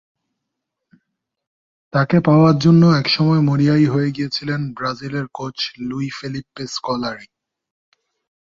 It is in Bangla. তাঁকে পাওয়ার জন্য একসময় মরিয়াই হয়ে গিয়েছিলেন ব্রাজিলের কোচ লুই ফেলিপ্পে স্কলারি।